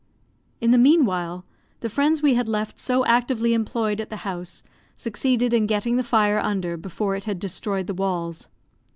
In the meanwhile, the friends we had left so actively employed at the house succeeded in getting the fire under before it had destroyed the walls.